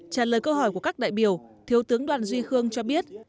trả lời câu hỏi của các đại biểu thiếu tướng đoàn duy khương cho biết